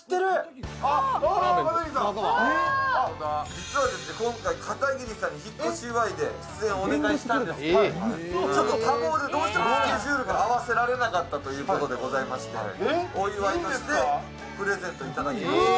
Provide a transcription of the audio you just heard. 実は今回、片桐さんに引越し祝いをお願いしたんですけどちょっと多忙でどうしてもスケジュールが合わせられなかったということでございましてお祝いとしてプレゼントいただきました。